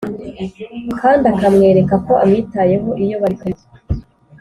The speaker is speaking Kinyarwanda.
kandi akamwereka ko amwitayeho iyo barikumwe